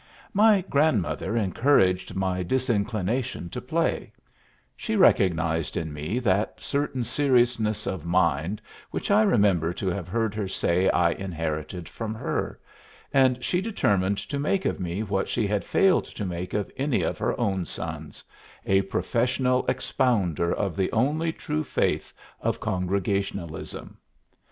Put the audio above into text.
My grandmother encouraged my disinclination to play; she recognized in me that certain seriousness of mind which I remember to have heard her say I inherited from her, and she determined to make of me what she had failed to make of any of her own sons a professional expounder of the only true faith of Congregationalism.